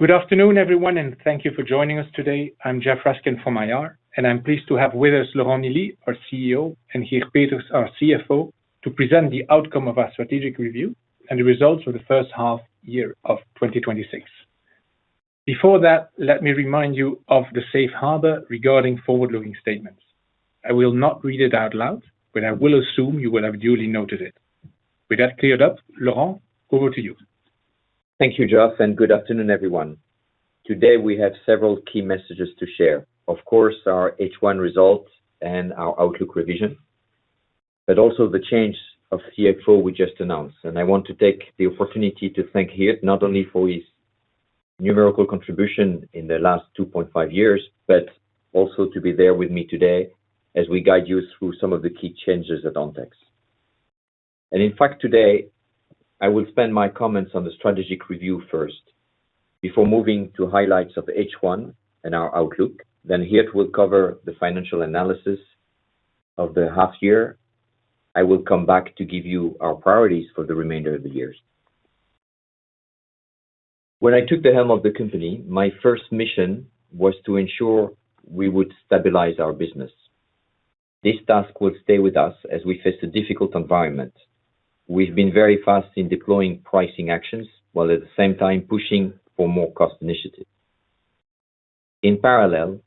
Good afternoon, everyone, and thank you for joining us today. I'm Geoff Raskin from IR, and I'm pleased to have with us Laurent Nielly, our CEO, and Geert Peeters, our CFO, to present the outcome of our strategic review and the results for the first half year of 2026. Before that, let me remind you of the safe harbor regarding forward-looking statements. I will not read it out loud, but I will assume you will have duly noted it. With that cleared up, Laurent, over to you. Thank you, Geoff. Good afternoon, everyone. Today, we have several key messages to share. Of course, our H1 results and our outlook revision, also the change of CFO we just announced. I want to take the opportunity to thank Geert not only for his numerical contribution in the last two point five years, but also to be there with me today as we guide you through some of the key changes at Ontex. In fact, today, I will spend my comments on the strategic review first before moving to highlights of H1 and our outlook. Geert will cover the financial analysis of the half year. I will come back to give you our priorities for the remainder of the year. When I took the helm of the company, my first mission was to ensure we would stabilize our business. This task will stay with us as we face a difficult environment. We've been very fast in deploying pricing actions while at the same time pushing for more cost initiatives. In parallel,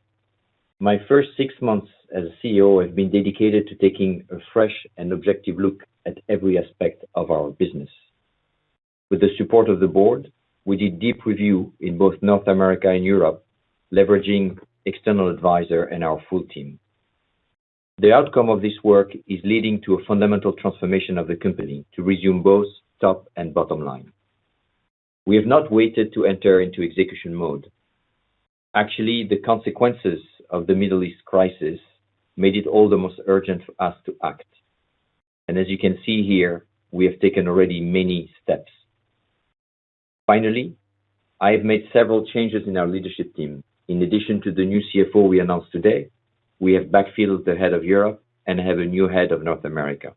my first six months as CEO have been dedicated to taking a fresh and objective look at every aspect of our business. With the support of the Board, we did deep review in both North America and Europe, leveraging external advisor and our full team. The outcome of this work is leading to a fundamental transformation of the company to resume both top and bottom line. We have not waited to enter into execution mode. Actually, the consequences of the Middle East crisis made it all the most urgent for us to act. As you can see here, we have taken already many steps. Finally, I have made several changes in our leadership team. In addition to the new CFO we announced today, we have backfilled the head of Europe and have a new head of North America.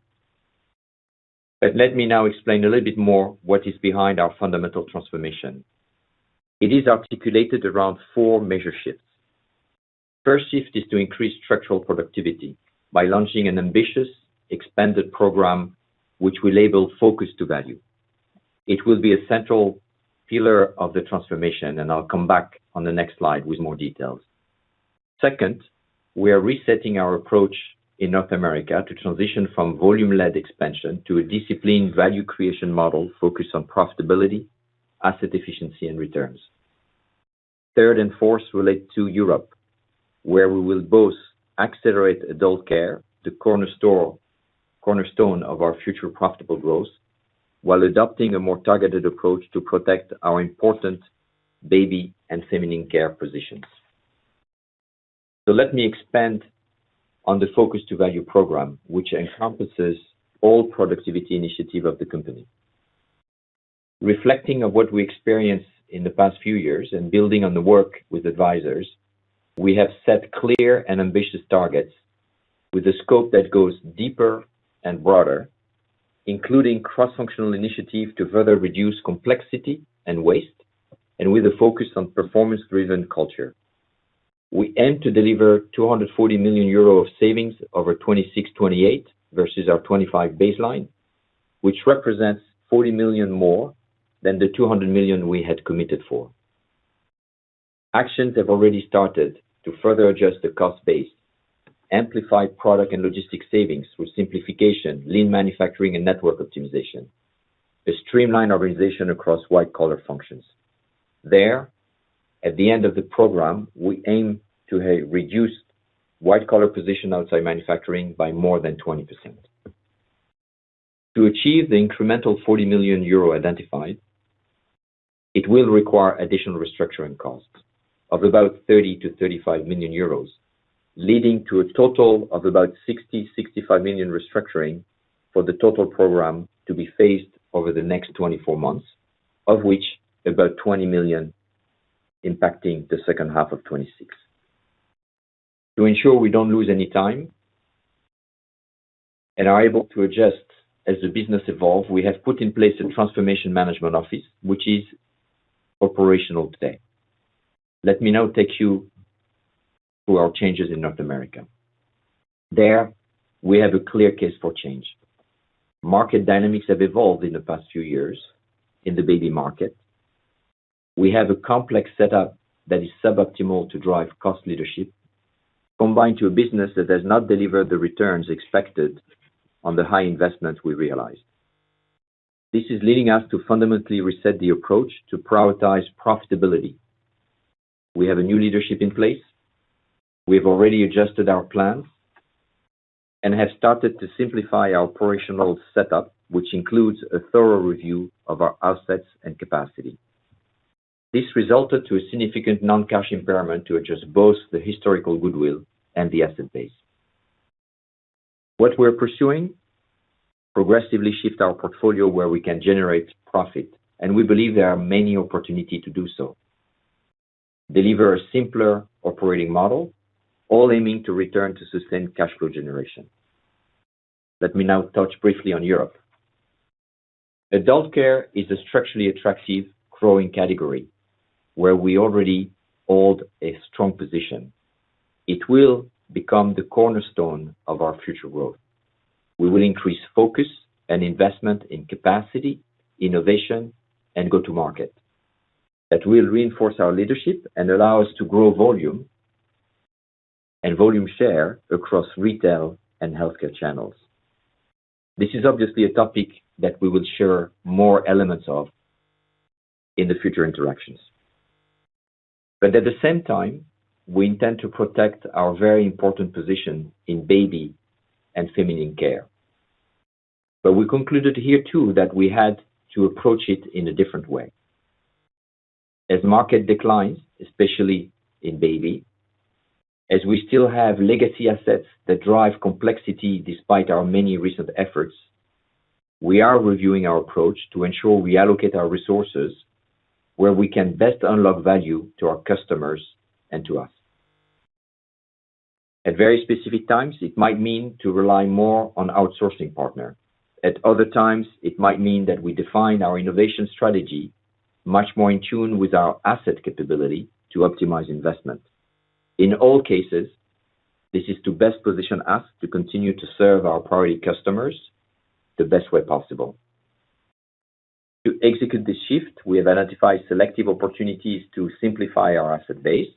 Let me now explain a little bit more what is behind our fundamental transformation. It is articulated around four measure shifts. First shift is to increase structural productivity by launching an ambitious expanded program which we label Focus to Value. It will be a central pillar of the transformation. I'll come back on the next slide with more details. Second, we are resetting our approach in North America to transition from volume-led expansion to a disciplined value creation model focused on profitability, asset efficiency, and returns. Third and fourth relate to Europe, where we will both accelerate adult care, the cornerstone of our future profitable growth, while adopting a more targeted approach to protect our important baby and feminine care positions. So let me expand on the Focus to Value program, which encompasses all productivity initiative of the company. Reflecting on what we experienced in the past few years and building on the work with advisors, we have set clear and ambitious targets with a scope that goes deeper and broader, including cross-functional initiative to further reduce complexity and waste, and with a focus on performance-driven culture. We aim to deliver 240 million euro of savings over 2026-2028 versus our 2025 baseline, which represents 40 million more than the 200 million we had committed for. Actions have already started to further adjust the cost base, amplify product and logistics savings through simplification, lean manufacturing, and network optimization, and streamline organization across white-collar functions. There, at the end of the program, we aim to have reduced white-collar position outside manufacturing by more than 20%. To achieve the incremental 40 million euro identified, it will require additional restructuring costs of about 30 million-35 million euros, leading to a total of about 60 million-65 million restructuring for the total program to be phased over the next 24 months, of which about 20 million impacting the second half of 2026. To ensure we don't lose any time and are able to adjust as the business evolves, we have put in place a transformation management office, which is operational today. Let me now take you through our changes in North America. There, we have a clear case for change. Market dynamics have evolved in the past few years in the baby market. We have a complex setup that is suboptimal to drive cost leadership, combined to a business that has not delivered the returns expected on the high investments we realized. This is leading us to fundamentally reset the approach to prioritize profitability. We have a new leadership in place. We have already adjusted our plans and have started to simplify our operational setup, which includes a thorough review of our assets and capacity. This resulted to a significant non-cash impairment to adjust both the historical goodwill and the asset base. What we're pursuing, progressively shift our portfolio where we can generate profit, and we believe there are many opportunity to do so. Deliver a simpler operating model, all aiming to return to sustained cash flow generation. Let me now touch briefly on Europe. adult care is a structurally attractive growing category where we already hold a strong position. It will become the cornerstone of our future growth. We will increase focus and investment in capacity, innovation, and go-to-market that will reinforce our leadership and allow us to grow volume and volume share across retail and healthcare channels. This is obviously a topic that we will share more elements of in the future interactions. But at the same time, we intend to protect our very important position in baby and feminine care. But we concluded here too that we had to approach it in a different way. As market declines, especially in baby, as we still have legacy assets that drive complexity despite our many recent efforts, we are reviewing our approach to ensure we allocate our resources where we can best unlock value to our customers and to us. At very specific times, it might mean to rely more on outsourcing partner. At other times, it might mean that we define our innovation strategy much more in tune with our asset capability to optimize investment. In all cases, this is to best position us to continue to serve our priority customers the best way possible. To execute this shift, we have identified selective opportunities to simplify our asset base,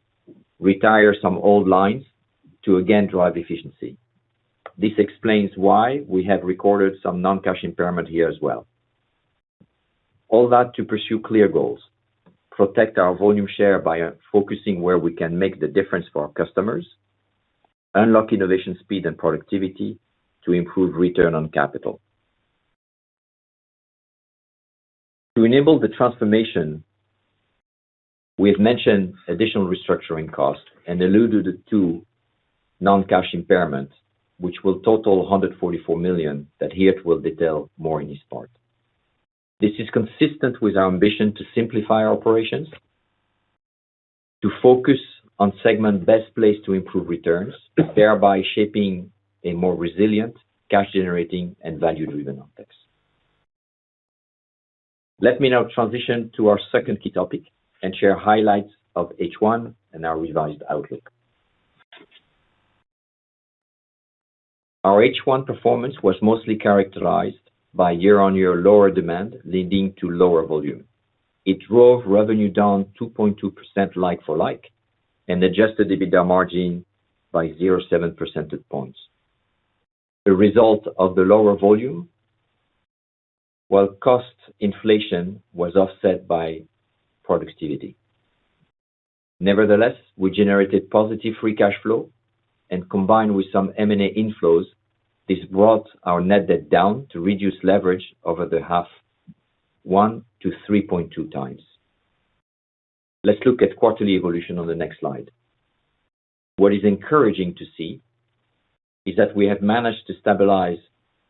retire some old lines to again drive efficiency. This explains why we have recorded some non-cash impairment here as well. All that to pursue clear goals, protect our volume share by focusing where we can make the difference for our customers, unlock innovation, speed, and productivity to improve return on capital. To enable the transformation, we have mentioned additional restructuring costs and alluded to two non-cash impairments, which will total 144 million that Geert will detail more in this part. This is consistent with our ambition to simplify our operations, to focus on segment best placed to improve returns, thereby shaping a more resilient cash-generating and value-driven Ontex. Let me now transition to our second key topic and share highlights of H1 and our revised outlook. Our H1 performance was mostly characterized by year-on-year lower demand leading to lower volume. It drove revenue down 2.2% like-for-like and adjusted the EBITDA margin by 0.7 percentage points. The result of the lower volume, while cost inflation was offset by productivity. Nevertheless, we generated positive free cash flow and combined with some M&A inflows, this brought our net debt down to reduce leverage over half one to 3.2x. Let's look at quarterly evolution on the next slide. What is encouraging to see is that we have managed to stabilize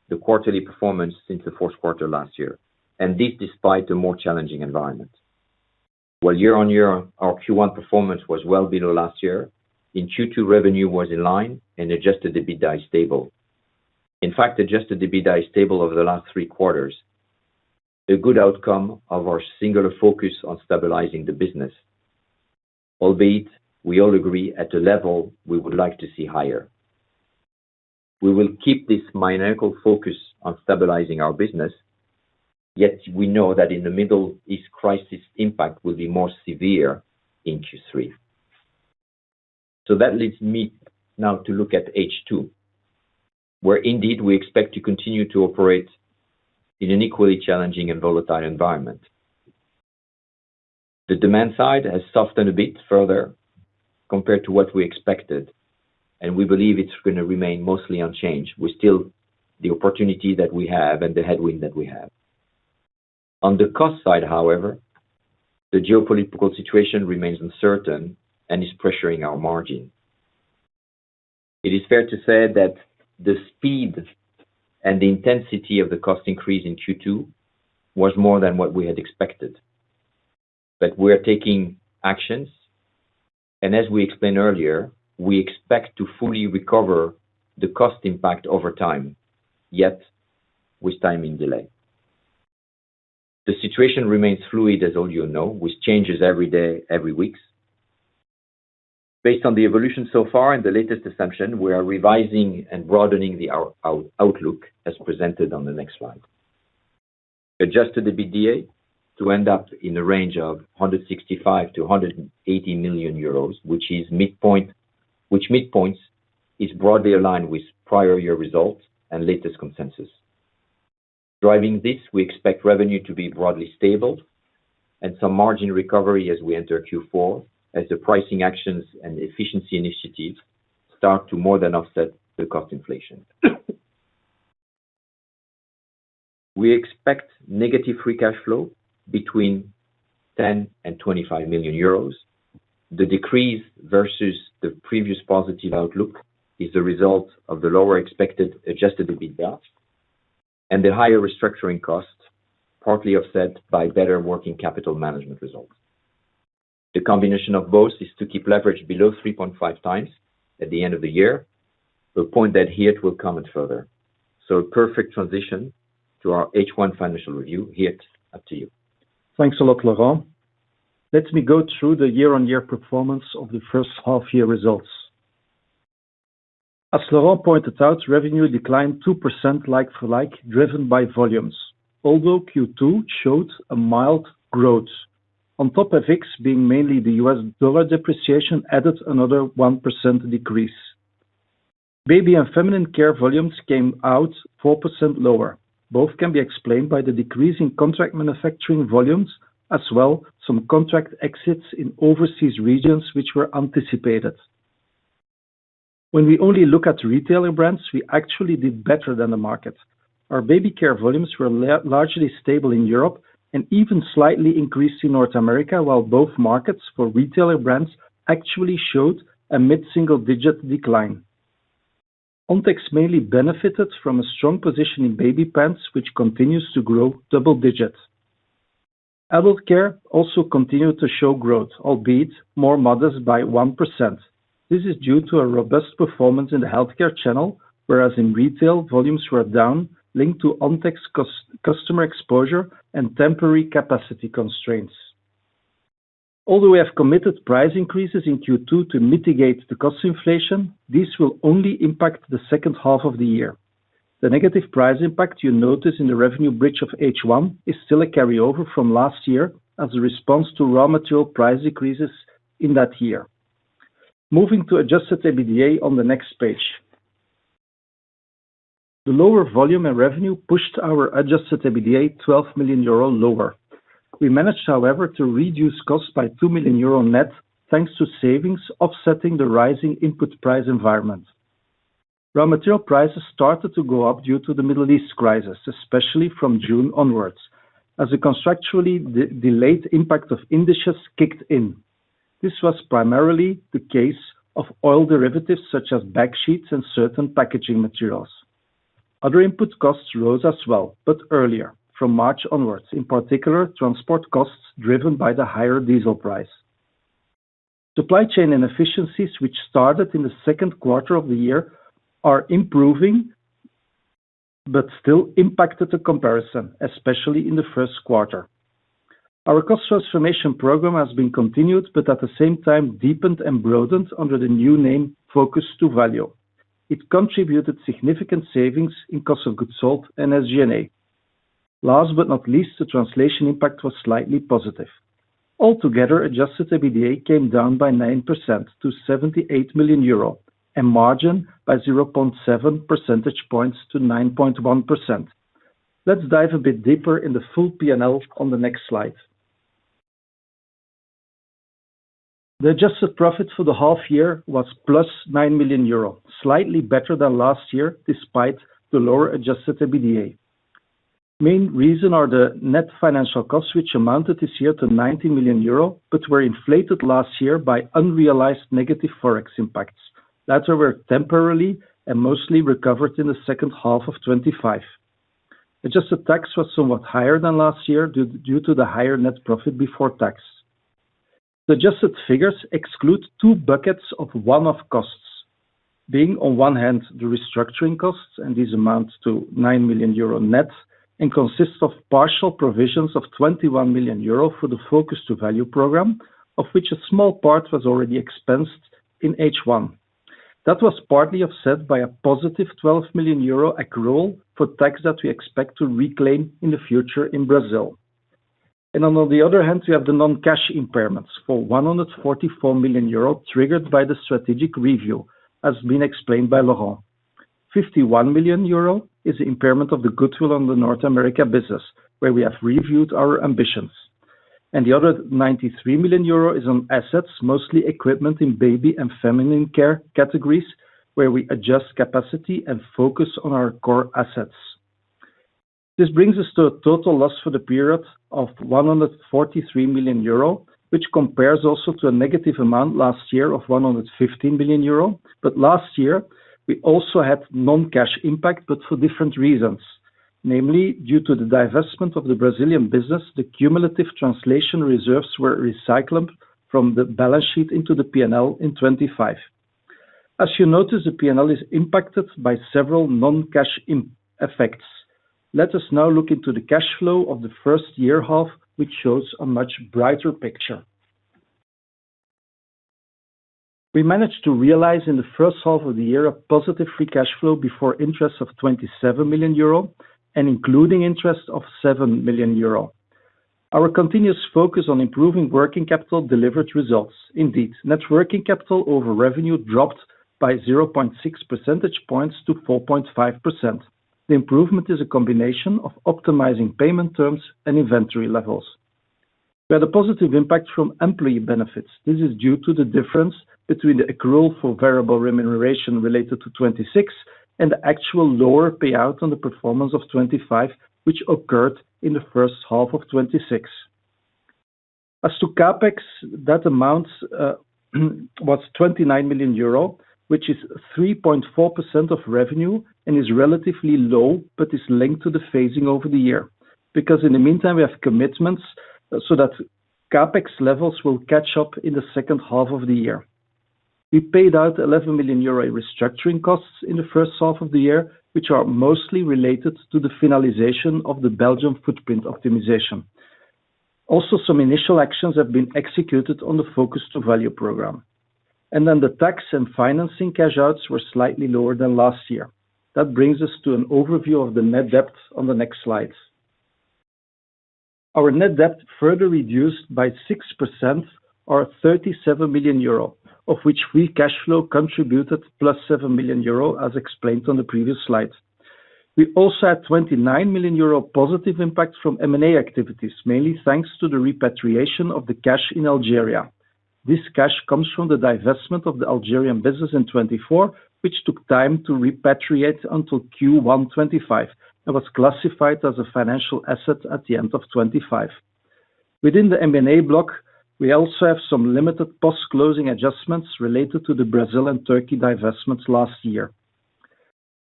the quarterly performance since the fourth quarter last year, and this despite a more challenging environment. While year-on-year, our Q1 performance was well below last year, in Q2 revenue was in line and adjusted EBITDA is stable. In fact, adjusted EBITDA is stable over the last three quarters, a good outcome of our singular focus on stabilizing the business. Albeit, we all agree at the level we would like to see higher. We will keep this maniacal focus on stabilizing our business, yet we know that in the Middle East crisis impact will be more severe in Q3. That leads me now to look at H2, where indeed we expect to continue to operate in an equally challenging and volatile environment. The demand side has softened a bit further compared to what we expected, and we believe it's going to remain mostly unchanged with still the opportunity that we have and the headwind that we have. On the cost side, however, the geopolitical situation remains uncertain and is pressuring our margin. It is fair to say that the speed and the intensity of the cost increase in Q2 was more than what we had expected. We are taking actions, and as we explained earlier, we expect to fully recover the cost impact over time, yet with timing delay. The situation remains fluid as all you know, with changes every day, every weeks. Based on the evolution so far and the latest assumption, we are revising and broadening the outlook as presented on the next slide. Adjusted EBITDA to end up in the range of 165 million-180 million euros, which midpoints is broadly aligned with prior year results and latest consensus. Driving this, we expect revenue to be broadly stable and some margin recovery as we enter Q4 as the pricing actions and efficiency initiatives start to more than offset the cost inflation. We expect negative free cash flow between 10 million and 25 million euros. The decrease versus the previous positive outlook is a result of the lower expected Adjusted EBITDA and the higher restructuring cost partly offset by better working capital management results. The combination of both is to keep leverage below 3.5x at the end of the year. We'll point that Geert will comment further. A perfect transition to our H1 financial review. Geert, up to you. Thanks a lot, Laurent. Let me go through the year-on-year performance of the first half year results. As Laurent pointed out, revenue declined 2% like for like, driven by volumes. Although Q2 showed a mild growth. On top of FX being mainly the U.S. dollar depreciation added another 1% decrease. Baby and feminine care volumes came out 4% lower. Both can be explained by the decrease in contract manufacturing volumes, as well some contract exits in overseas regions, which were anticipated. When we only look at retailer brands, we actually did better than the market. Our baby care volumes were largely stable in Europe and even slightly increased in North America, while both markets for retailer brands actually showed a mid-single-digit decline. Ontex mainly benefited from a strong position in baby pants, which continues to grow double-digits. Adult care also continued to show growth, albeit more modest by 1%. This is due to a robust performance in the healthcare channel, whereas in retail, volumes were down, linked to Ontex customer exposure and temporary capacity constraints. Although we have committed price increases in Q2 to mitigate the cost inflation, this will only impact the second half of the year. The negative price impact you notice in the revenue bridge of H1 is still a carryover from last year as a response to raw material price decreases in that year. Moving to Adjusted EBITDA on the next page. The lower volume and revenue pushed our Adjusted EBITDA 12 million euro lower. We managed, however, to reduce costs by 2 million euro net, thanks to savings offsetting the rising input price environment. Raw material prices started to go up due to the Middle East crisis, especially from June onwards, as a contractually delayed impact of indices kicked in. This was primarily the case of oil derivatives such as backsheets and certain packaging materials. Other input costs rose as well, but earlier, from March onwards, in particular, transport costs driven by the higher diesel price. Supply chain inefficiencies, which started in the second quarter of the year, are improving but still impacted the comparison, especially in the first quarter. Our cost transformation program has been continued, but at the same time deepened and broadened under the new name Focus to Value. It contributed significant savings in cost of goods sold and SG&A. Last but not least, the translation impact was slightly positive. Altogether, Adjusted EBITDA came down by 9% to 78 million euro and margin by 0.7 percentage points to 9.1%. Let's dive a bit deeper in the full P&L on the next slide. The adjusted profit for the half year was +9 million euro, slightly better than last year, despite the lower adjusted EBITDA. Main reason are the net financial costs, which amounted this year to 90 million euro, but were inflated last year by unrealized negative Forex impacts. Later were temporarily and mostly recovered in the second half of 2025. Adjusted tax was somewhat higher than last year due to the higher net profit before tax. The adjusted figures exclude two buckets of one-off costs, being on one hand, the restructuring costs, and these amount to 9 million euro net and consists of partial provisions of 21 million euro for the Focus to Value program, of which a small part was already expensed in H1. That was partly offset by +12 million euro accrual for tax that we expect to reclaim in the future in Brazil. On the other hand, we have the non-cash impairments for 144 million euros triggered by the strategic review, as been explained by Laurent. 51 million euros is the impairment of the goodwill on the North America business, where we have reviewed our ambitions. The other 93 million euro is on assets, mostly equipment in baby and feminine care categories, where we adjust capacity and focus on our core assets. This brings us to a total loss for the period of 143 million euro, which compares also to a negative amount last year of 115 million euro. Last year, we also had non-cash impact, but for different reasons. Namely, due to the divestment of the Brazilian business, the cumulative translation reserves were recycled from the balance sheet into the P&L in 2025. As you notice, the P&L is impacted by several non-cash effects. Let us now look into the cash flow of the first year half, which shows a much brighter picture. We managed to realize in the first half of the year a positive free cash flow before interest of 27 million euro and including interest of 7 million euro. Our continuous focus on improving working capital delivered results. Indeed, net working capital over revenue dropped by 0.6 percentage points to 4.5%. The improvement is a combination of optimizing payment terms and inventory levels. We had a positive impact from employee benefits. This is due to the difference between the accrual for variable remuneration related to 2026 and the actual lower payout on the performance of 2025, which occurred in the first half of 2026. As to CapEx, that amount was 29 million euro, which is 3.4% of revenue and is relatively low, but is linked to the phasing over the year. In the meantime, we have commitments so that CapEx levels will catch up in the second half of the year. We paid out 11 million euro restructuring costs in the first half of the year, which are mostly related to the finalization of the Belgium footprint optimization. Also, some initial actions have been executed on the Focus to Value program. The tax and financing cash outs were slightly lower than last year. That brings us to an overview of the net debt on the next slides. Our net debt further reduced by 6% or 37 million euro, of which free cash flow contributed +7 million euro, as explained on the previous slide. We also had 29 million euro positive impact from M&A activities, mainly thanks to the repatriation of the cash in Algeria. This cash comes from the divestment of the Algerian business in 2024, which took time to repatriate until Q1 2025, and was classified as a financial asset at the end of 2025. Within the M&A block, we also have some limited post-closing adjustments related to the Brazil and Turkey divestments last year.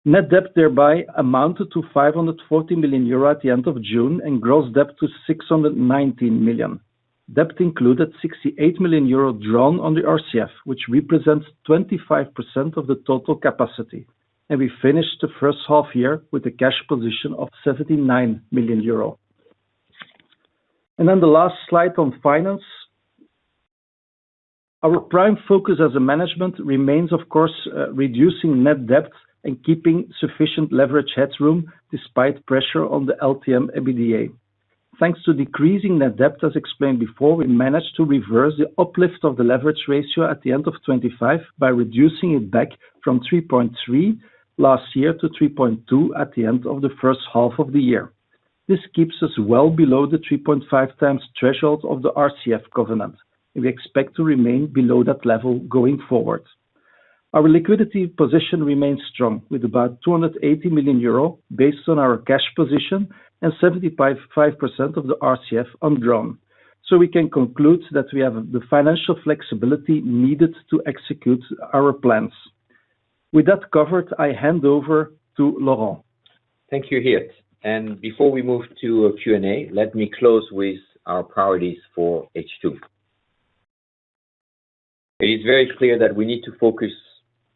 Net debt thereby amounted to 540 million euro at the end of June, and gross debt to 619 million. Debt included 68 million euro drawn on the RCF, which represents 25% of the total capacity. We finished the first half year with a cash position of 79 million euro. The last slide on finance. Our prime focus as a management remains, of course, reducing net debt and keeping sufficient leverage headroom despite pressure on the LTM EBITDA. Thanks to decreasing net debt, as explained before, we managed to reverse the uplift of the leverage ratio at the end of 2025 by reducing it back from 3.3x last year to 3.2x at the end of the first half of the year. This keeps us well below the 3.5x threshold of the RCF covenant, and we expect to remain below that level going forward. Our liquidity position remains strong with about 280 million euro based on our cash position and 75% of the RCF undrawn. We can conclude that we have the financial flexibility needed to execute our plans. With that covered, I hand over to Laurent. Thank you, Geert. Before we move to Q&A, let me close with our priorities for H2. It is very clear that we need to focus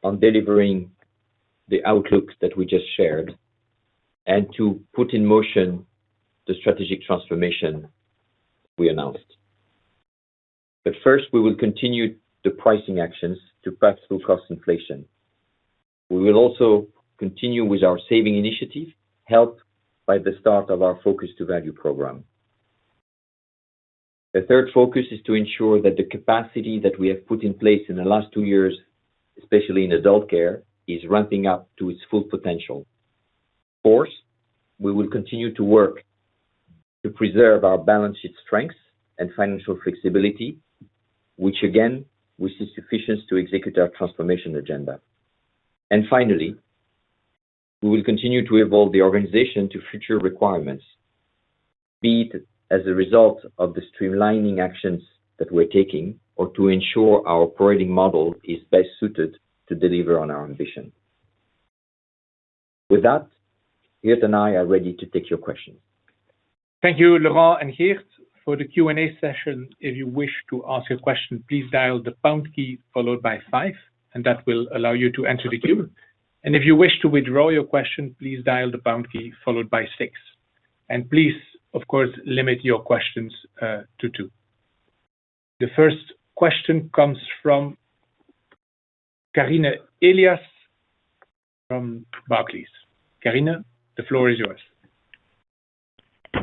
on delivering the outlooks that we just shared and to put in motion the strategic transformation we announced. First, we will continue the pricing actions to pass through cost inflation. We will also continue with our saving initiative, helped by the start of our Focus to Value program. The third focus is to ensure that the capacity that we have put in place in the last two years, especially in adult care, is ramping up to its full potential. Of course, we will continue to work to preserve our balanced sheet strengths and financial flexibility, which again, we see sufficient to execute our transformation agenda. Finally, we will continue to evolve the organization to future requirements, be it as a result of the streamlining actions that we're taking or to ensure our operating model is best suited to deliver on our ambition. With that, Geert and I are ready to take your questions. Thank you, Laurent and Geert. For the Q&A session, if you wish to ask a question, please dial the pound key followed by five, that will allow you to enter the queue. If you wish to withdraw your question, please dial the pound key followed by six. Please, of course, limit your questions to two. The first question comes from Karine Elias from Barclays. Karine, the floor is yours.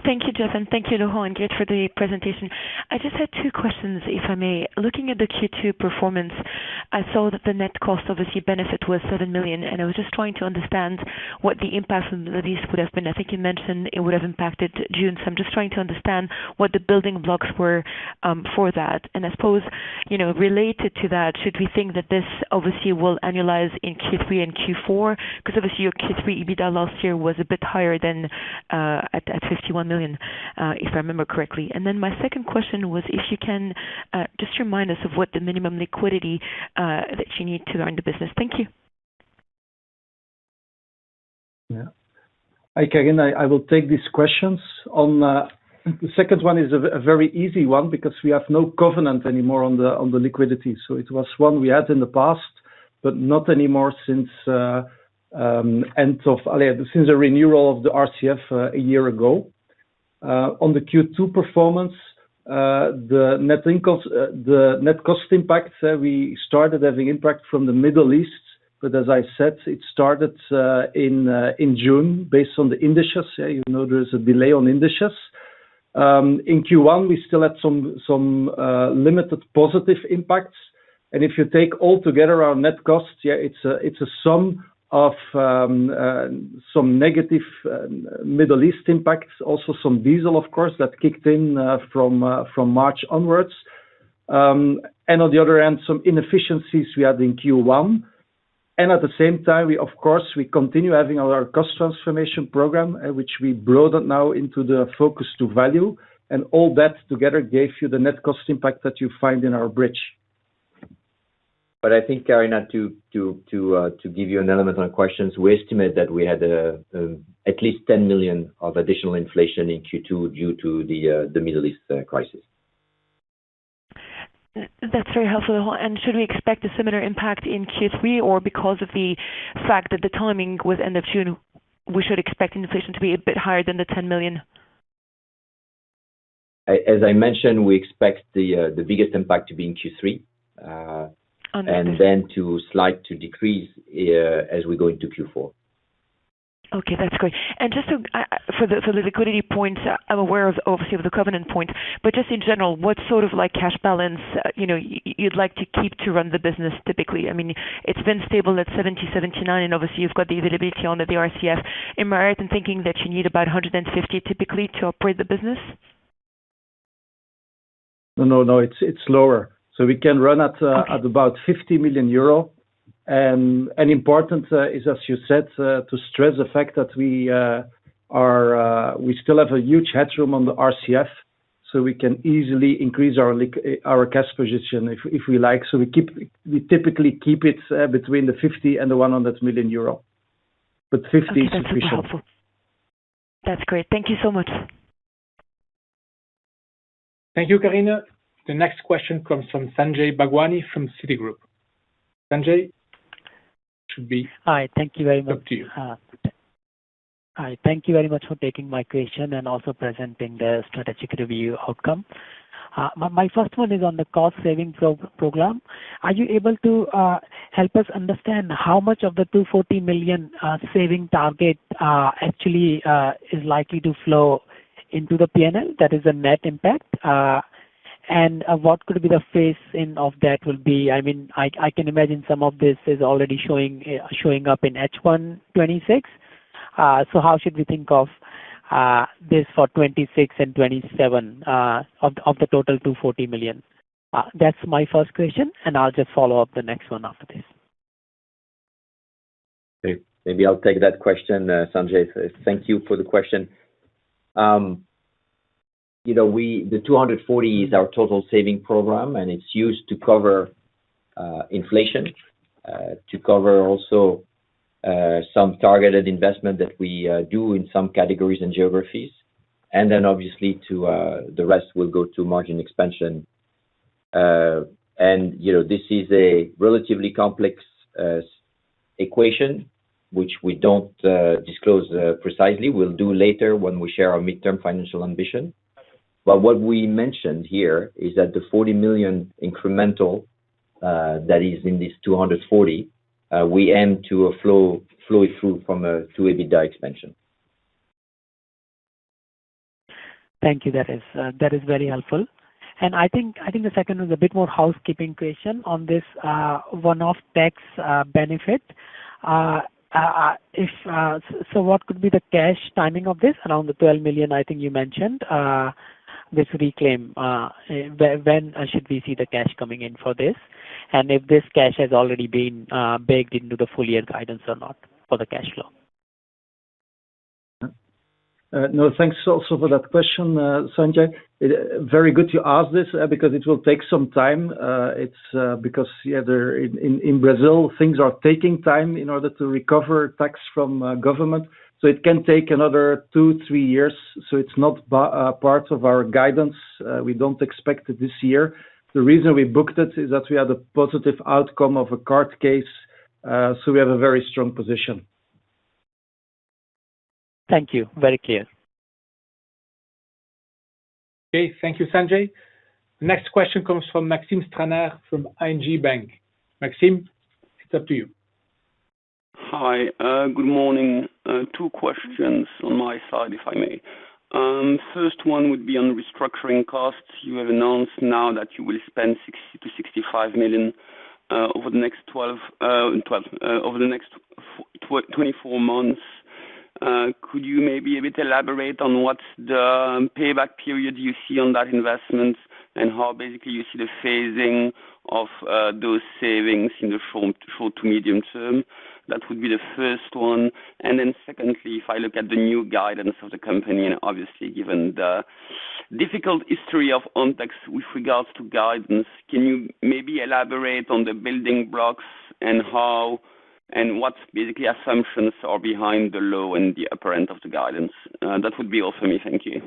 Thank you, Geert, and thank you, Laurent, for the presentation. I just had two questions, if I may. Looking at the Q2 performance, I saw that the net cost of a [C] benefit was 7 million, I was just trying to understand what the impact from the release would have been. I think you mentioned it would have impacted June, so I am just trying to understand what the building blocks were for that. I suppose, related to that, should we think that this obviously will annualize in Q3 and Q4? Because obviously your Q3 EBITDA last year was a bit higher than at 51 million, if I remember correctly. Then my second question was if you can just remind us of what the minimum liquidity that you need to run the business. Thank you. Hi Karine, I will take these questions on. The second one is a very easy one because we have no covenant anymore on the liquidity. It was one we had in the past, but not anymore since the renewal of the RCF a year ago. On the Q2 performance, the net cost impact, we started having impact from the Middle East, but as I said, it started in June based on the indices. There is a delay on indices. In Q1, we still had some limited positive impacts. If you take all together our net costs, it is a sum of some negative Middle East impacts. Also some diesel, of course, that kicked in from March onwards. On the other end, some inefficiencies we had in Q1. At the same time, we of course, we continue having our cost transformation program, which we broadened now into the Focus to Value. All that together gave you the net cost impact that you find in our bridge. I think, Karine, to give you an element on questions, we estimate that we had at least 10 million of additional inflation in Q2 due to the Middle East crisis. That's very helpful. Should we expect a similar impact in Q3, or because of the fact that the timing was end of June, we should expect inflation to be a bit higher than the 10 million? As I mentioned, we expect the biggest impact to be in Q3. Understood. To slide to decrease as we go into Q4. Okay, that's great. Just for the liquidity points, I'm aware obviously of the covenant point, but just in general, what sort of cash balance you'd like to keep to run the business typically? It's been stable at 70, 79, obviously, you've got the availability under the RCF. Am I right in thinking that you need about 150 typically to operate the business? No, it's lower. We can run at about 50 million euro. Important is, as you said, to stress the fact that we still have a huge headroom on the RCF, we can easily increase our cash position if we like. We typically keep it between the 50 million euro and 100 million euro, but 50 is sufficient. Okay. That's very helpful. That's great. Thank you so much. Thank you, Karine. The next question comes from Sanjay Bhagwani from Citigroup. Sanjay, should be- Hi, thank you very much. ...up to you. Hi, thank you very much for taking my question and also presenting the strategic review outcome. My first one is on the cost-savings program. Are you able to help us understand how much of the 240 million saving target actually is likely to flow into the P&L, that is the net impact? What could be the phase in of that? I can imagine some of this is already showing up in H1 2026. How should we think of this for 2026 and 2027 of the total 240 million? That's my first question, and I'll just follow up the next one after this. Maybe I'll take that question, Sanjay. Thank you for the question. The 240 million is our total saving program. It's used to cover inflation, to cover also some targeted investment that we do in some categories and geographies. Then obviously the rest will go to margin expansion. This is a relatively complex equation, which we don't disclose precisely. We'll do later when we share our midterm financial ambition. What we mentioned here is that the 40 million incremental, that is in this 240 million, we aim to flow it through from a through EBITDA expansion. Thank you. That is very helpful. I think the second is a bit more housekeeping question on this one-off tax benefit. What could be the cash timing of this? Around the 12 million, I think you mentioned, this reclaim. When should we see the cash coming in for this? If this cash has already been baked into the full year guidance or not for the cash flow. No, thanks also for that question, Sanjay. Very good you ask this, because it will take some time. It's because in Brazil, things are taking time in order to recover tax from government, so it can take another two, three years. It's not part of our guidance. We don't expect it this year. The reason we booked it is that we had a positive outcome of a court case, so we have a very strong position. Thank you. Very clear. Okay, thank you, Sanjay. Next question comes from Maxime Stranart from ING Bank. Maxime, it's up to you. Hi. Good morning. Two questions on my side, if I may. First one would be on restructuring costs. You have announced now that you will spend 60 million-65 million over the next 24 months. Could you maybe a bit elaborate on what's the payback period you see on that investment and how basically you see the phasing of those savings in the short to medium term? That would be the first one. Secondly, if I look at the new guidance of the company, and obviously given the difficult history of Ontex with regards to guidance, can you maybe elaborate on the building blocks and what basically assumptions are behind the low and the upper end of the guidance? That would be all for me. Thank you.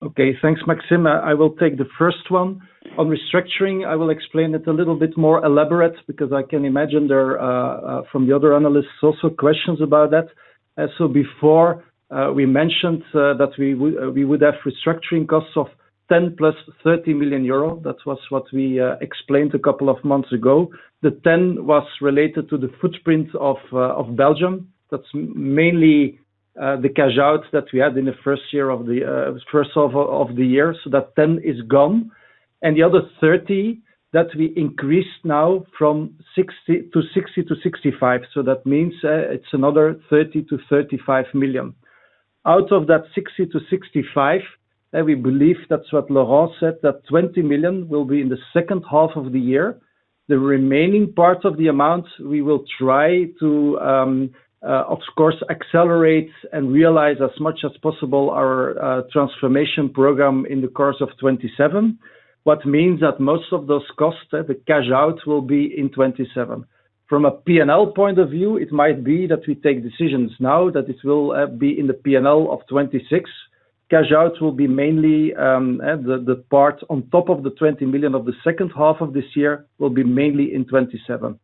Okay, thanks, Maxime. I will take the first one. On restructuring, I will explain it a little bit more elaborate because I can imagine there are, from the other analysts, also questions about that. Before, we mentioned that we would have restructuring costs of 10 million + 30 million euro. That was what we explained a couple of months ago. The 10 million was related to the footprint of Belgium. That's mainly the cash out that we had in the first half of the year. That 10 million is gone. The other 30, that we increased now from 60 million-65 million. That means it's another 30 million-35 million. Out of that 60 million-65 million, we believe that's what Laurent said, that 20 million will be in the second half of the year. The remaining parts of the amount, we will try to, of course, accelerate and realize as much as possible our transformation program in the course of 2027. What means that most of those costs, the cash outs will be in 2027. From a P&L point of view, it might be that we take decisions now that it will be in the P&L of 2026. Cash outs will be mainly the part on top of the 20 million of the second half of this year will be mainly in 2027.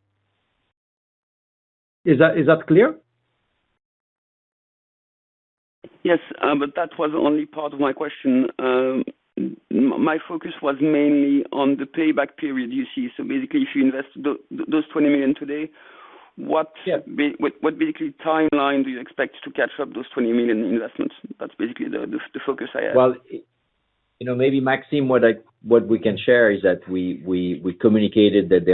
Is that clear? Yes, that was only part of my question. My focus was mainly on the payback period you see. Basically, if you invest those 20 million today- Yeah. ...what basically timeline do you expect to catch up those 20 million investments? That's basically the focus I have. Well, maybe Maxime, what we can share is that we communicated that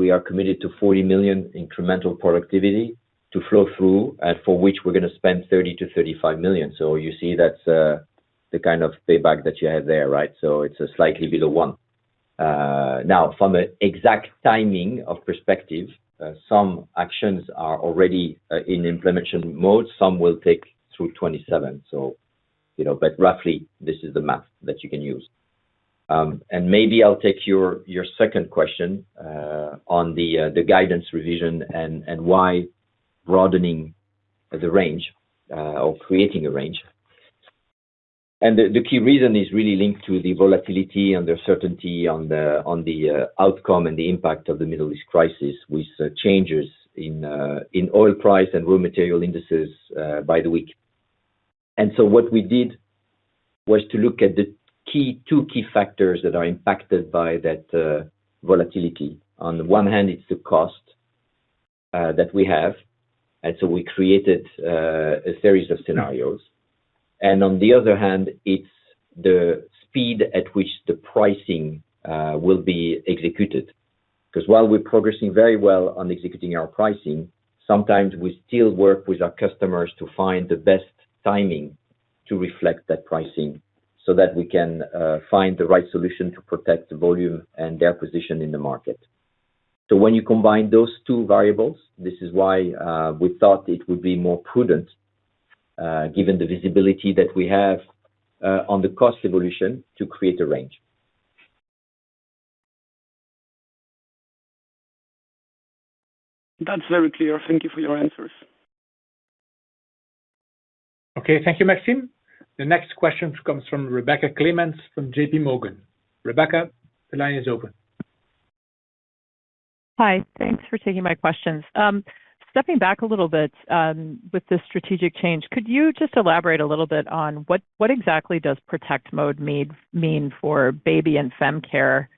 we are committed to 40 million incremental productivity to flow through, for which we're going to spend 30 million-35 million. You see that's the kind of payback that you have there, right? It's a slightly below one. From an exact timing of perspective, some actions are already in implementation mode. Some will take through 2027. Roughly, this is the math that you can use. Maybe I'll take your second question on the guidance revision and why broadening the range, or creating a range. The key reason is really linked to the volatility and the certainty on the outcome and the impact of the Middle East crisis with changes in oil price and raw material indices by the week. What we did was to look at the two key factors that are impacted by that volatility. On one hand, it's the cost that we have, we created a series of scenarios. On the other hand, it's the speed at which the pricing will be executed. Because while we're progressing very well on executing our pricing, sometimes we still work with our customers to find the best timing to reflect that pricing so that we can find the right solution to protect the volume and their position in the market. When you combine those two variables, this is why we thought it would be more prudent, given the visibility that we have on the cost evolution to create a range. That's very clear. Thank you for your answers. Okay. Thank you, Maxime. The next question comes from Rebecca Clements from JPMorgan. Rebecca, the line is open. Hi. Thanks for taking my questions. Stepping back a little bit with this strategic change, could you just elaborate a little bit on what exactly does protect mode mean for baby and fem care,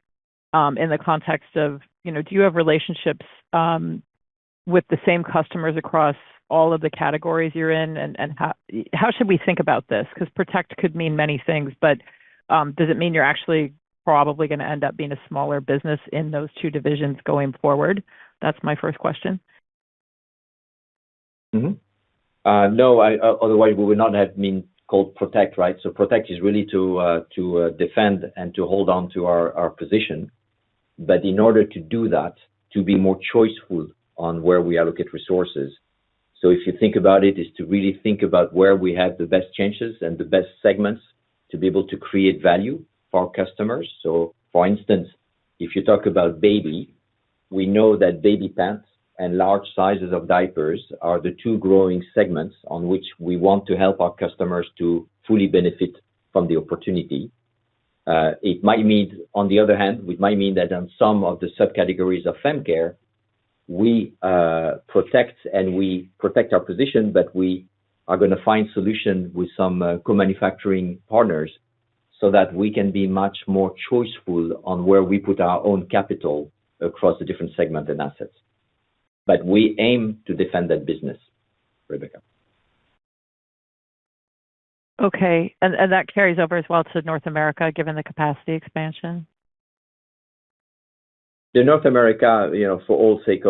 in the context of do you have relationships with the same customers across all of the categories you're in, and how should we think about this? Protect could mean many things, but does it mean you're actually probably going to end up being a smaller business in those two divisions going forward? That's my first question. No, otherwise we would not have been called protect, right? Protect is really to defend and to hold on to our position. In order to do that, to be more choiceful on where we allocate resources. If you think about it, is to really think about where we have the best chances and the best segments to be able to create value for our customers. For instance, if you talk about baby, we know that baby pants and large sizes of diapers are the two growing segments on which we want to help our customers to fully benefit from the opportunity. On the other hand, it might mean that on some of the subcategories of fem care, we protect and we protect our position, but we are going to find solution with some co-manufacturing partners so that we can be much more choiceful on where we put our own capital across the different segment and assets. We aim to defend that business, Rebecca. Okay. That carries over as well to North America, given the capacity expansion? The North America, for all sake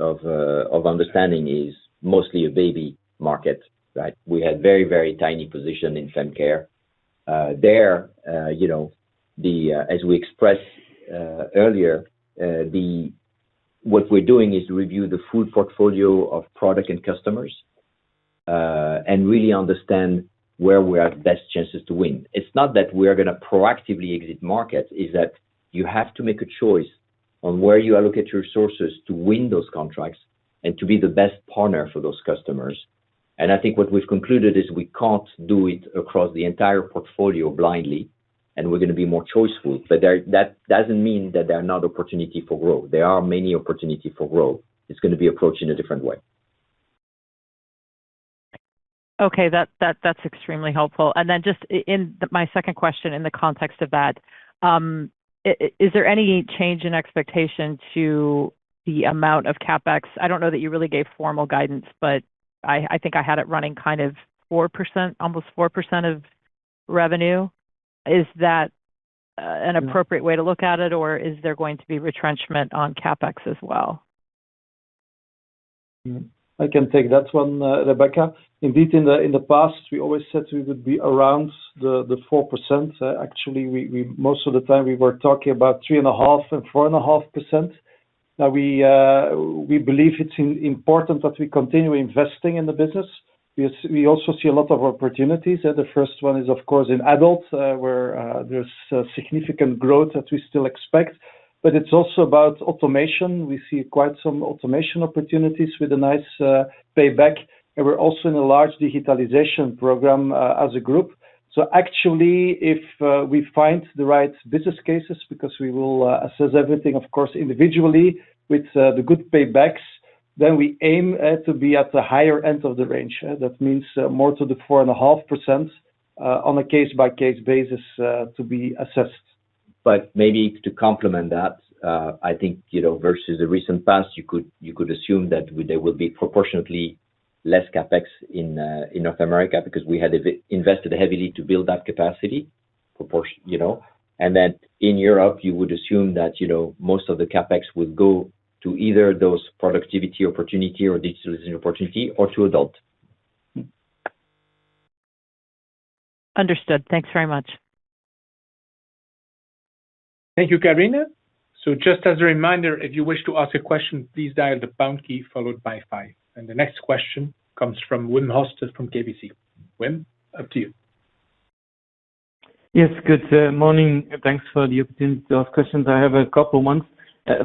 of understanding, is mostly a baby market, right? We had very tiny position in fem care. There, as we expressed earlier, what we're doing is review the full portfolio of product and customers, and really understand where we have the best chances to win. It's not that we are going to proactively exit markets, is that you have to make a choice on where you allocate your resources to win those contracts and to be the best partner for those customers. I think what we've concluded is we can't do it across the entire portfolio blindly, and we're going to be more choiceful. That doesn't mean that there are not opportunity for growth. There are many opportunity for growth. It's going to be approached in a different way. Okay. That's extremely helpful. Then just in my second question, in the context of that, is there any change in expectation to the amount of CapEx? I don't know that you really gave formal guidance, but I think I had it running kind of almost 4% of revenue. Is that an appropriate way to look at it or is there going to be retrenchment on CapEx as well? I can take that one, Rebecca. Indeed, in the past, we always said we would be around the 4%. Actually, most of the time we were talking about 3.5% and 4.5%. We believe it's important that we continue investing in the business. We also see a lot of opportunities there. The first one is, of course, in adult, where there's significant growth that we still expect, but it's also about automation. We see quite some automation opportunities with a nice payback, and we're also in a large digitalization program as a group. Actually, if we find the right business cases, because we will assess everything, of course, individually with the good paybacks, then we aim to be at the higher end of the range. That means more to the 4.5% on a case-by-case basis to be assessed. maybe to complement that, I think, versus the recent past, you could assume that there will be proportionately less CapEx in North America because we had invested heavily to build that capacity. And that in Europe, you would assume that most of the CapEx would go to either those productivity opportunity or digitalization opportunity or to adult. Understood. Thanks very much. Thank you, Rebecca. Just as a reminder, if you wish to ask a question, please dial the pound key followed by five. The next question comes from Wim Hoste from KBC. Wim, up to you. Yes. Good morning, thanks for the opportunity to ask questions. I have a couple ones.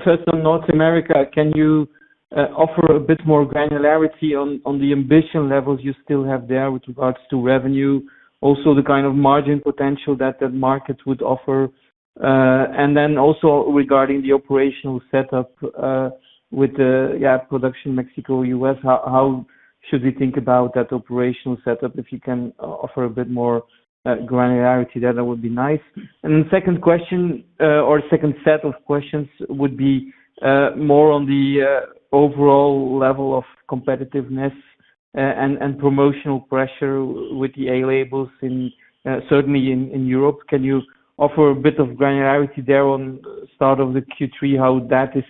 First, on North America, can you offer a bit more granularity on the ambition levels you still have there with regards to revenue, also the kind of margin potential that the market would offer? Then also regarding the operational setup with the production Mexico, U.S., how should we think about that operational setup? If you can offer a bit more granularity there, that would be nice. The second question, or second set of questions, would be more on the overall level of competitiveness and promotional pressure with the A-labels certainly in Europe. Can you offer a bit of granularity there on start of the Q3, how that is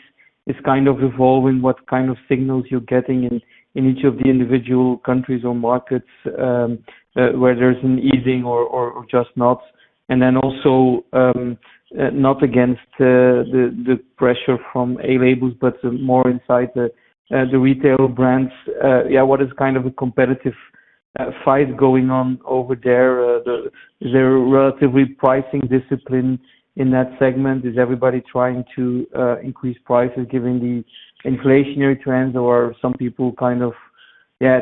kind of evolving, what kind of signals you're getting in each of the individual countries or markets, where there's an easing or just not? Not against the pressure from A-labels, but more inside the retail brands, what is kind of the competitive fight going on over there? Is there a relatively pricing discipline in that segment? Is everybody trying to increase prices given the inflationary trends, or some people kind of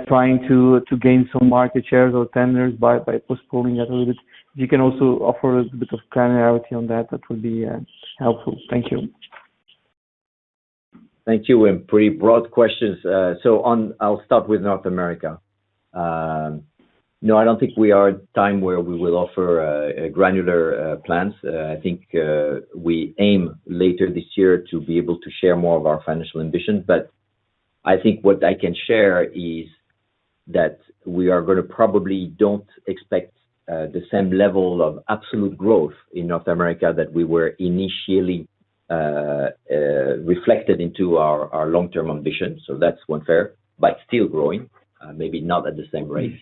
trying to gain some market shares or tenders by postponing that a little bit? If you can also offer a bit of granularity on that would be helpful. Thank you. Thank you, Wim. Pretty broad questions. I'll start with North America. No, I don't think we are at a time where we will offer granular plans. I think we aim later this year to be able to share more of our financial ambitions. I think what I can share is that we are going to probably don't expect the same level of absolute growth in North America that we were initially reflected into our long-term ambitions. That's 1/3, but still growing, maybe not at the same rate.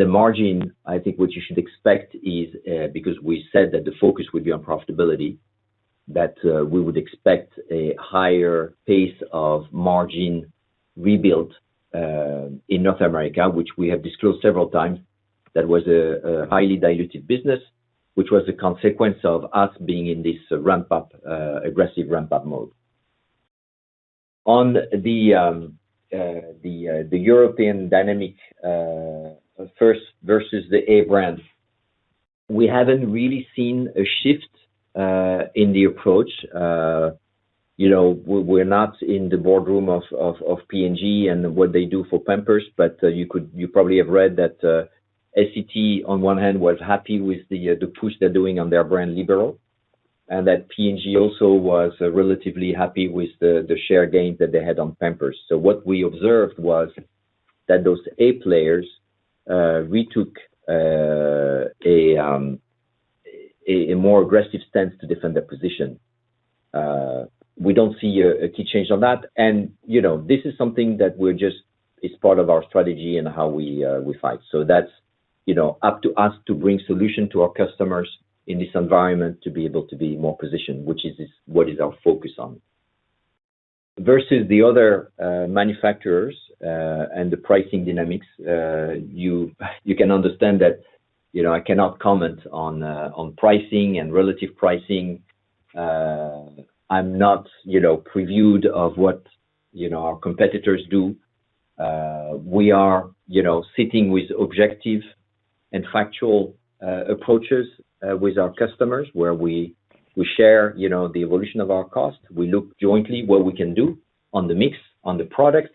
The margin, I think what you should expect is, because we said that the focus would be on profitability, that we would expect a higher pace of margin rebuild in North America, which we have disclosed several times. That was a highly diluted business, which was a consequence of us being in this aggressive ramp-up mode. On the European dynamic first versus the A-brands, we haven't really seen a shift in the approach. We're not in the boardroom of P&G and what they do for Pampers, but you probably have read that Essity, on one hand, was happy with the push they're doing on their brand Libero, and that P&G also was relatively happy with the share gains that they had on Pampers. What we observed was that those A-players retook a more aggressive stance to defend their position. We don't see a key change on that, this is something that is part of our strategy and how we fight. That's up to us to bring solution to our customers in this environment to be able to be more positioned, which is what is our focus on. Versus the other manufacturers, the pricing dynamics, you can understand that I cannot comment on pricing and relative pricing. I'm not previewed of what our competitors do. We are sitting with objective and factual approaches with our customers where we share the evolution of our cost. We look jointly what we can do on the mix, on the product,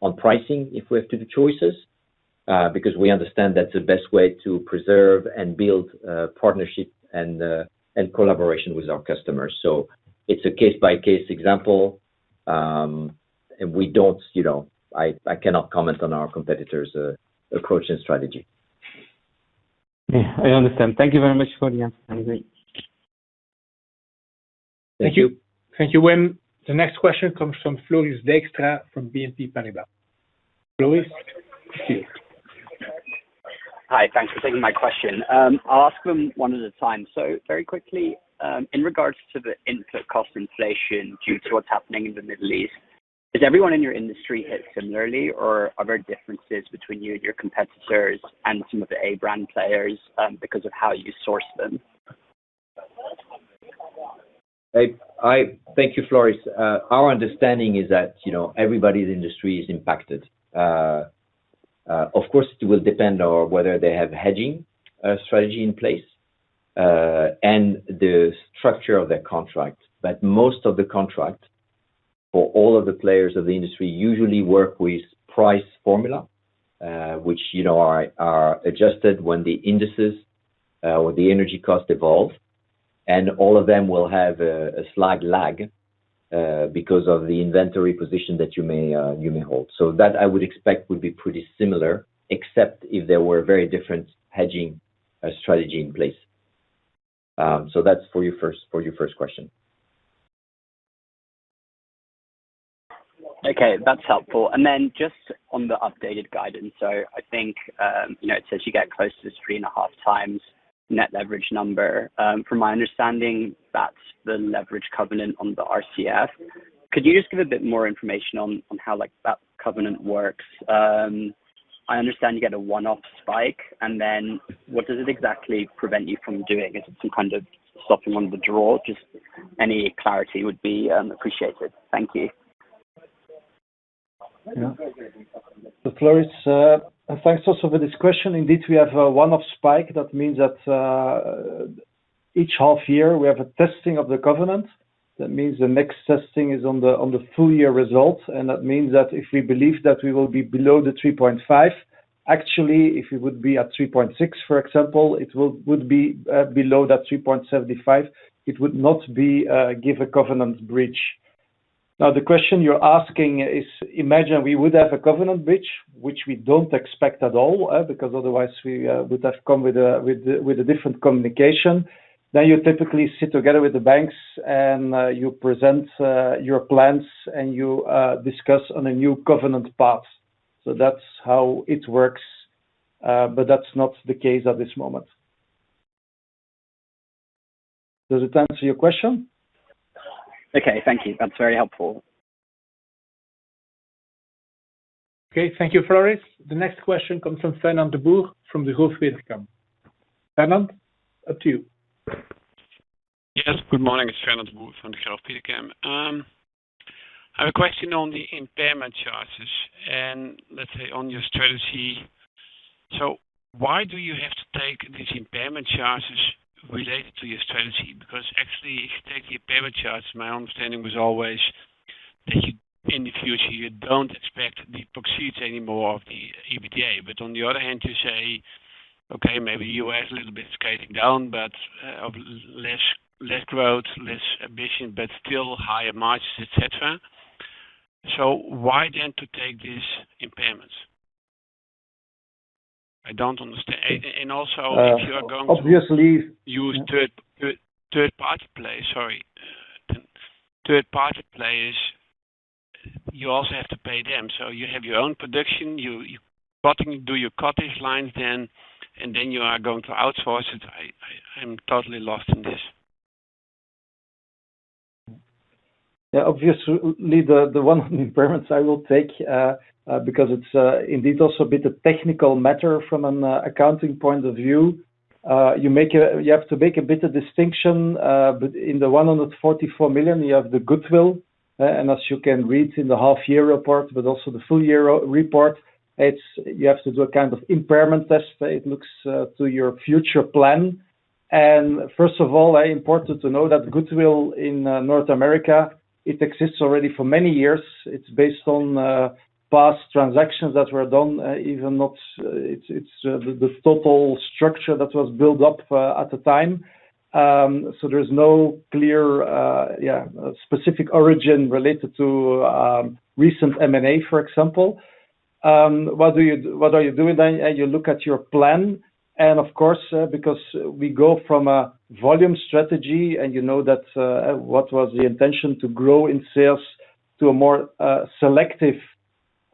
on pricing, if we have two choices, because we understand that's the best way to preserve and build partnership and collaboration with our customers. It's a case-by-case example. I cannot comment on our competitors' approach and strategy. Yeah, I understand. Thank you very much for the answer. Have a great day. Thank you. Thank you, Wim. The next question comes from Floris Dijkstra from BNP Paribas. Floris, it's you. Hi. Thanks for taking my question. I'll ask them one at a time. Very quickly, in regards to the input cost inflation due to what's happening in the Middle East, is everyone in your industry hit similarly or are there differences between you and your competitors and some of the A-brand players because of how you source them? Thank you, Floris. Our understanding is that everybody in the industry is impacted. Of course, it will depend on whether they have hedging strategy in place, and the structure of their contract. Most of the contract for all of the players of the industry usually work with price formula, which are adjusted when the indices or the energy cost evolve, and all of them will have a slight lag, because of the inventory position that you may hold. That I would expect would be pretty similar, except if there were very different hedging strategy in place. That's for your first question. Okay, that's helpful. Just on the updated guidance. I think, it says you get close to 3.5x net leverage number. From my understanding, that's the leverage covenant on the RCF. Could you just give a bit more information on how that covenant works? I understand you get a one-off spike. What does it exactly prevent you from doing? Is it some kind of stopping one of the draw? Just any clarity would be appreciated. Thank you. Floris, thanks also for this question. Indeed, we have a one-off spike. Each half year, we have a testing of the covenant. The next testing is on the full year results. If we believe that we will be below the 3.5x, actually, if it would be at 3.6x, for example, it would be below that 3.75x, it would not give a covenant breach. The question you're asking is imagine we would have a covenant breach, which we don't expect at all, because otherwise we would have come with a different communication. You typically sit together with the banks, and you present your plans, and you discuss on a new covenant path. That's how it works, but that's not the case at this moment. Does it answer your question? Okay, thank you. That's very helpful. Okay. Thank you, Floris. The next question comes from Fernand de Boer from Degroof Petercam. Fernand, up to you. Yes, good morning. It's Fernand de Boer from Degroof Petercam. I have a question on the impairment charges and let's say on your strategy. Why do you have to take these impairment charges related to your strategy? Because actually, if you take the impairment charge, my understanding was always that in the future, you don't expect the proceeds anymore of the EBITDA. On the other hand, you say, okay, maybe U.S. a little bit scaling down, but of less growth, less ambition, but still higher margins, etc. Why then to take these impairments? I don't understand. Also, if you are going to- Obviously- ...use third-party players, you also have to pay them. You have your own production. You partly do your cottage lines then, you are going to outsource it. I'm totally lost in this. Obviously, the one impairments I will take, because it's indeed also a bit a technical matter from an accounting point of view. You have to make a bit of distinction. In the 144 million, you have the goodwill, and as you can read in the half year report, but also the full year report, you have to do a kind of impairment test. It looks to your future plan. First of all, important to know that goodwill in North America, it exists already for many years. It's based on past transactions that were done. It's the total structure that was built up at the time. There's no clear, specific origin related to recent M&A, for example. What are you doing then? You look at your plan, of course, because we go from a volume strategy, you know that what was the intention to grow in sales to a more selective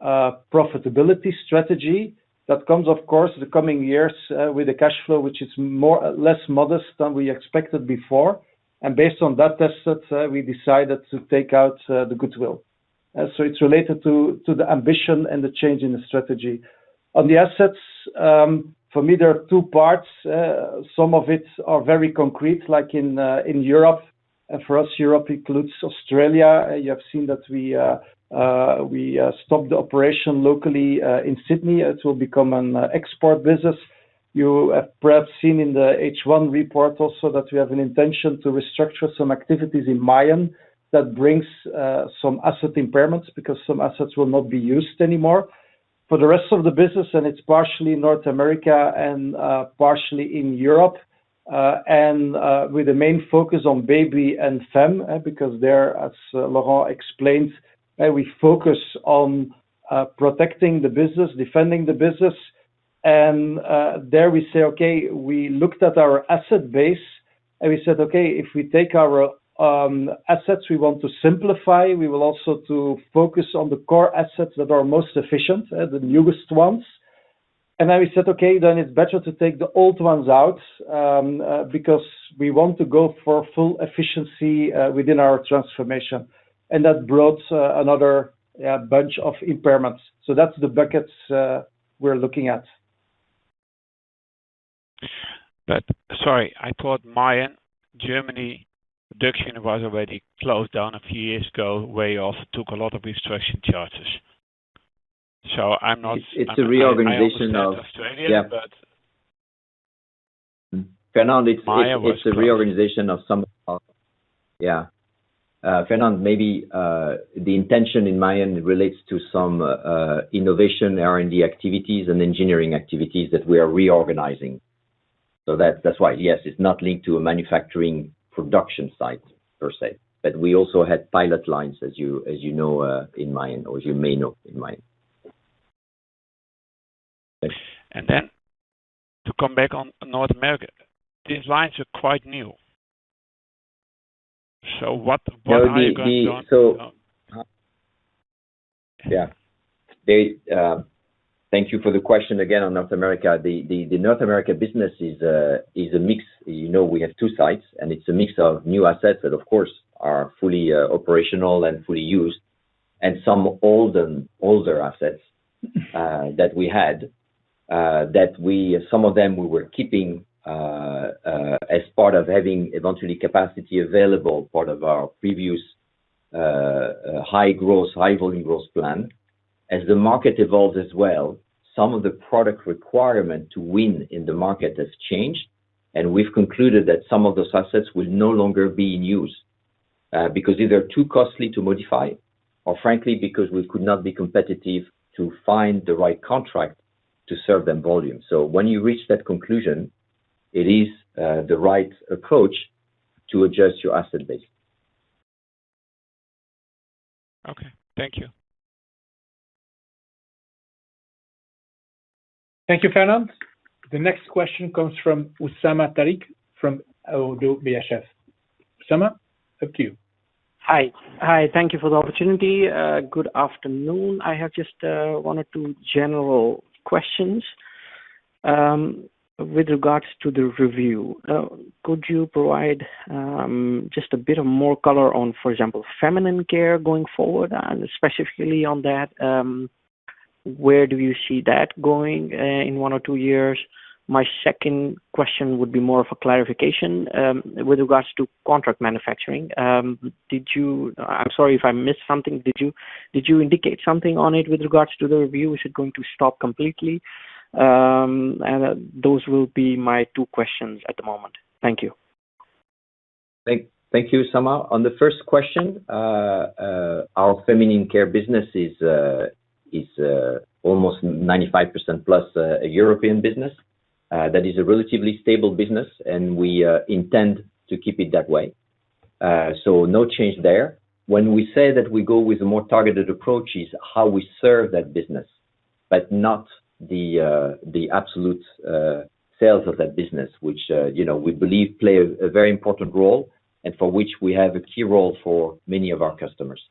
profitability strategy. That comes, of course, the coming years, with the cash flow, which is less modest than we expected before. Based on that test set, we decided to take out the goodwill. It's related to the ambition and the change in the strategy. On the assets, for me, there are two parts. Some of it are very concrete, like in Europe. For us, Europe includes Australia. You have seen that we stopped the operation locally in Sydney. It will become an export business. You have perhaps seen in the H1 report also that we have an intention to restructure some activities in Mayen. That brings some asset impairments because some assets will not be used anymore. It's partially North America and partially in Europe, with the main focus on baby and fem, because there, as Laurent explained, we focus on protecting the business, defending the business. There we say, okay, we looked at our asset base and we said, okay, if we take our assets, we want to simplify, we will also to focus on the core assets that are most efficient, the newest ones. Then we said, okay, then it's better to take the old ones out because we want to go for full efficiency within our transformation. That brought another bunch of impairments. That's the buckets we're looking at. Sorry, I thought Mayen, Germany production was already closed down a few years ago, way off, took a lot of restructuring charges. I'm not- It's a reorganization of- I also said Australia. Yeah. Fernand. Mayen was closed. Fernand, maybe the intention in Mayen relates to some innovation R&D activities and engineering activities that we are reorganizing. That's why, yes, it's not linked to a manufacturing production site per se, but we also had pilot lines, as you know in Mayen, or as you may know in Mayen. To come back on North America, these lines are quite new. Yeah. Thank you for the question again on North America. The North America business is a mix. We have two sites and it's a mix of new assets that of course are fully operational and fully used, and some older assets that we had, that some of them we were keeping as part of having eventually capacity available, part of our previous high volume growth plan. As the market evolves as well, some of the product requirement to win in the market has changed, and we've concluded that some of those assets will no longer be in use because either too costly to modify or frankly because we could not be competitive to find the right contract to serve them volume. When you reach that conclusion, it is the right approach to adjust your asset base. Okay. Thank you. Thank you, Fernand. The next question comes from Usama Tariq from ODDO BHF. Usama, up to you. Hi. Thank you for the opportunity. Good afternoon. I have just one or two general questions with regards to the review. Could you provide just a bit of more color on, for example, feminine care going forward, and specifically on that, where do you see that going in one or two years? My second question would be more of a clarification with regards to contract manufacturing. I'm sorry if I missed something. Did you indicate something on it with regards to the review? Is it going to stop completely? Those will be my two questions at the moment. Thank you. Thank you, Usama. On the first question, our feminine care business is almost 95%+ a European business. That is a relatively stable business and we intend to keep it that way. No change there. When we say that we go with a more targeted approach is how we serve that business, but not the absolute sales of that business, which we believe play a very important role and for which we have a key role for many of our customers.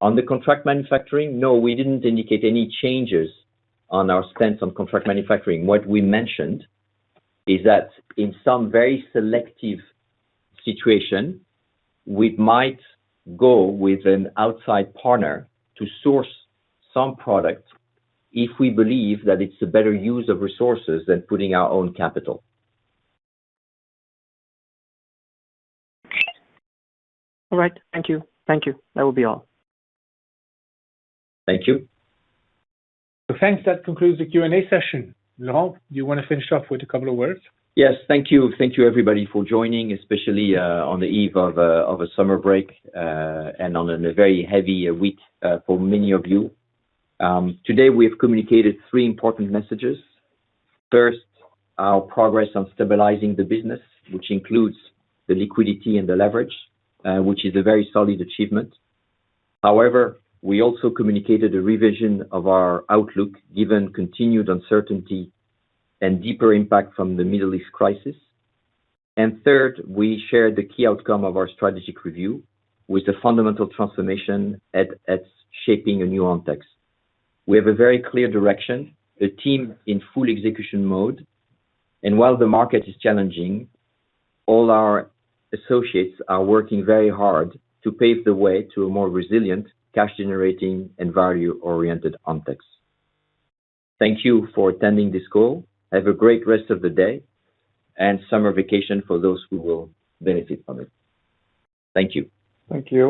On the contract manufacturing, no, we didn't indicate any changes on our stance on contract manufacturing. What we mentioned is that in some very selective situation, we might go with an outside partner to source some product if we believe that it's a better use of resources than putting our own capital. All right. Thank you. That will be all. Thank you. Thanks. That concludes the Q&A session. Laurent, do you want to finish off with a couple of words? Yes. Thank you. Thank you everybody for joining, especially on the eve of a summer break and on a very heavy week for many of you. Today, we have communicated three important messages. First, our progress on stabilizing the business, which includes the liquidity and the leverage, which is a very solid achievement. However, we also communicated a revision of our outlook given continued uncertainty and deeper impact from the Middle East crisis. Third, we shared the key outcome of our strategic review with the fundamental transformation at shaping a new Ontex. We have a very clear direction, a team in full execution mode. While the market is challenging, all our associates are working very hard to pave the way to a more resilient, cash generating and value oriented Ontex. Thank you for attending this call. Have a great rest of the day and summer vacation for those who will benefit from it. Thank you. Thank you.